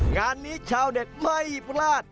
งานนี้ชาวเด็ดไม่พลาด